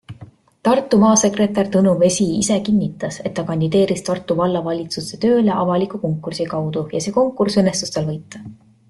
Tartu maasekretär Tõnu Vesi ise kinnitas, et ta kandideeris Tartu vallavalitsusse tööle avaliku konkursi kaudu ja see konkurss õnnestus tal võita.